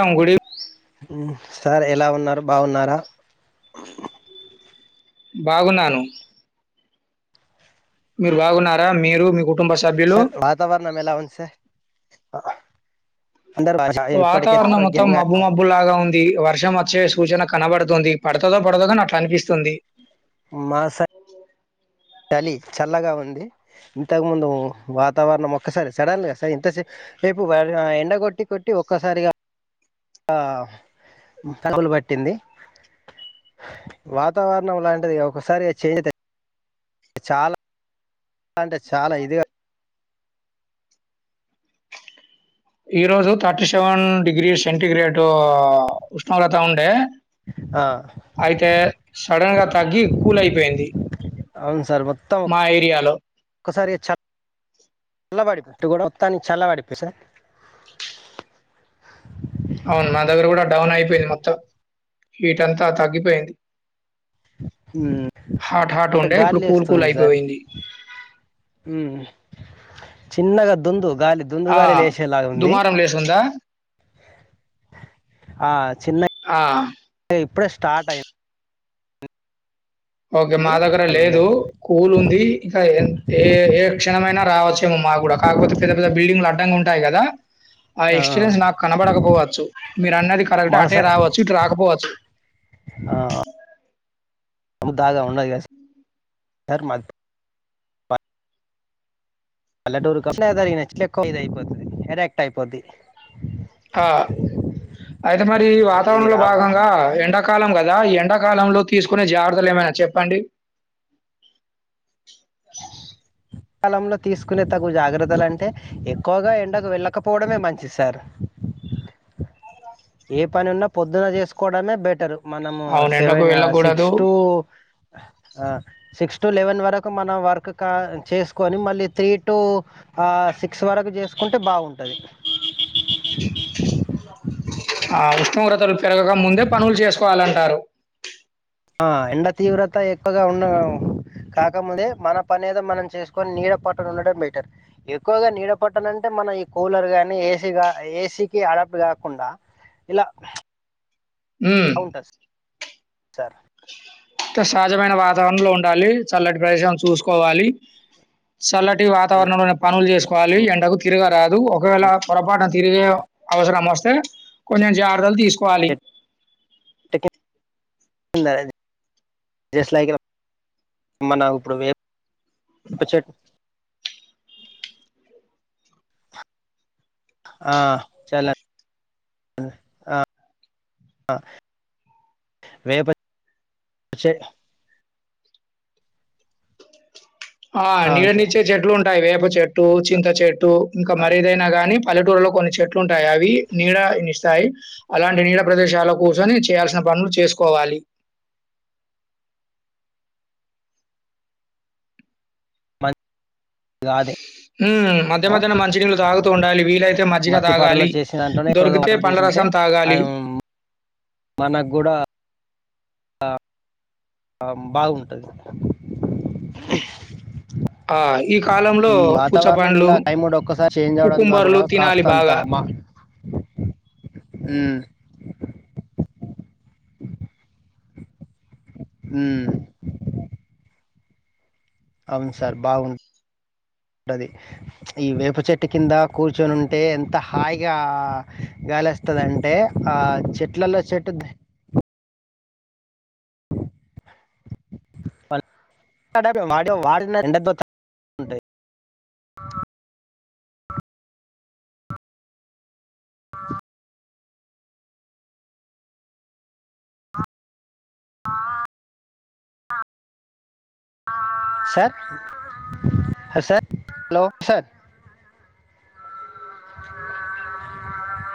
అ గుడి ఉమ్ సార్ ఎలా ఉన్నారు బాగున్నారా బాగున్నాను మీరు బాగున్నారా మీరు కుటుంబ సభ్యులు సార్ వాతావరణం ఎలా ఉంది సార్ అందరు ఇప్పటికే వాతావరణం మొత్తం ఆరోగ్యంగా మబ్బు మబ్బు లాగా ఉంది వర్షం వచ్చే సూచన కనబడ తుంది పడుతుదో పడదో నాట్లా అనిపిస్తుంది మాస చలి చల్లగా ఉంది ఇంతకుముందు వాతావరణం ఒక్కసారి సడన్ గా సరే ఇంతసే రేపు ఎండ కొట్టి కొట్టి ఒక్కసారిగా కలుగులు పట్టింది వాతావరణం లాంటిది ఒకసారి అది చే చాలా అంటే చాలా ఇదిగా ఈ రోజు థర్టీ సెవెన్ డిగ్రీ సెంటిగ్రేడ్ ఉష్ణోగ్రత ఉండే ఆ, అయితే సడన్ గా తగ్గి కూల్ అయిపోయింది మా ఏరియాలో ఒకసారి చ చాలా పడిపోట్టు కూడా మొత్తానికి చల్లా పడిపో సార్ అవును మా దగ్గర కూడా డౌన్ అయిపోయింది మొత్తం హీట్ అంతా తగ్గిపోయింది మ్మ్. హాట్ హాట్ ఉండే ఇప్పుడు కూల్ కూల్ అయిపోయింది ఉ చిన్నగాద్ొందు గాలి దుందు ఆ గాలి లే వేసేలాగా ఉంది దుమారం లేసుందా ఆ చిన్న ఆ ఇప్పుడే స్టార్ట్ అయింది ఓకే మా దగ్గర చాలా లేదు ఉన్నాయి కూల్ ఉంది ఇంక ఏ ఏ క్షణమైనా రావచ్చేమోమా కూడా కాకపోతే పెద్ద పెద్ద బిల్డింగ్లు అడ్డంగా ఉంటాయి కదా ఆ ఎక్స్పీరియన్స్ నాకు కనబడకపోవచ్చు మీరు అన్నది కరెక్ట్ అటే రావచ్చు ఇటు రాకపోవచ్చు ఆ అ దాగా ఉన్నది పల్ల డూరుకి దరిగినచ్చ ఎక్కు ఇది అయిపోతుది అటక్ట్ అయిపోద్ది ఆ అయితే మరి సార్ ఇది వాతావరణ లో రావా భాగంగా ఎండాక ఎ కాలం కదా ఎండాకాలంలో తీసుకునే జాగ్రత్తలు ఏమైనా చెప్పండి కాలంలో తీసుకునే తగు జాగ్రత్తలు అంటే ఎక్కువగా ఎండకు వెళ్ళకపోవడమే మంచి సార్ ఏ పని ఉన్నా పొద్దున చేసుకోవడమే బెటరు మనము అవును. ఎండకు సెవెన్ సిక్స్ వెళ్ళకూడదు. టు సిక్స్ టు లెవెన్ వరకు మనం వర్క్ చేసుకొని మళ్ళీ త్రీ టు సిక్స్ వరకు చేసుకు కుంటే బాగుంటుంది ఆ ఉష్ణోగ్రతలు పెరగగా ముందే పనులు చేసుకోవాలంటారు ఎండ తీవ్రత ఎక్కువగా ఉన్న కాకముందే మన పనిదో మనం చేసుకొని నీడ పట్ట ఉండడం బెటర్ ఎక్కువగా నీడ పట్టనంటే మనం ఈ కూలర్గానీ ఏసీ ఏసీ క అడప్ట్ కాగా కుడా ఇలా అ ఉంటది సార్ సహజమైన వాతావరణంలో ఉండాలి చల్లటి ప్రదేశాలు చూసుకోవాలి చల్లటి వాతావరణంలో పనులు చేసుకోవాలి ఎండకు తిరగరాదు ఒకవేళ పొరపాటున తిరిగే అవసరామస్తే కొం జారదల్ తీసు చెట్టు కింద ఇప్పుడు చె ఆ చల ఆ వే పచ్చే ఆ అవును సార్ నీడనిచ్చే చెట్లు ఉంటాయి వేప చెట్టు చింత చెట్టు ఇంకా ఆ, మరీదైనా గానీ పల్లెటూరులో కొన్ని చెట్లు ఉంటాయి అవి నీడన్నిస్తాయి అలాంటి నీడ ప్రదేశాల కోసంని చేయాల్సిన పనులు చేసుకోవాలి కాదే హ్మ్. మధ్య మ మధ్యన మంచి నీళ్ళు తాగుతూ ఉండాలి. వీలైతే మజ్జిగ మట్టి పారులో తాగాలి. చేసిన దాంట్లోనే ఎక్కువగా దొరికితే వాటర్ పండ్ల తీసుకుంటే రసం తాగాలి. మన కూడాూడ బాగుంటుంది ఆ! ఈ కాలంలో ఈ వాతావరణం పుచ్చపండ్లు, ఇలా టైం ఒక్కసారి చేంజ్ అవ్వడం ద్వారా కుకుంబర్లు కూడా తినాలి కాస్త అంత బాగా. మా హు ఉ అవును సార్ బాగు ఉంటది ఈ వేపు చెట్టు కింద కూర్చొనుంటే ఎంత హాయిగా గలస్తదంటే ఆ చెట్లలో చెట్టు పల్ [inaudible] వాటిలో వాడిన [inaudible] ఉంటాయి ఆ ఆ సార్ సార్ హలో సార్ ఆ